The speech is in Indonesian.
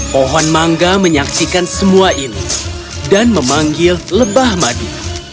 pohon mangga menyaksikan semua ini dan memanggil lebah madu